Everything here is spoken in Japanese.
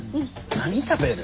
何食べる？